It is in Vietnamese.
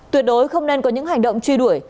tuyệt đối không nên có những hành động truy đuổi